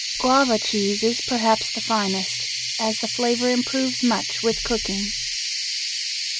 Guava cheese is perhaps the finest, as the flavor improves much with cooking.